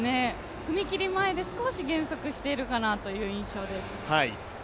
踏切前で少し減速しているかなという印象です。